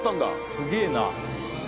すげえな。